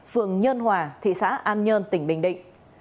phường nhân hòa thị xã an nhơn tỉnh bình định